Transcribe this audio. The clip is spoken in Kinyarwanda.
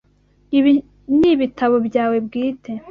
Ibi nibitabo byawe bwite?